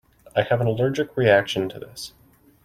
I have an allergic reaction to this.